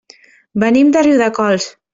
Venim de Riudecols.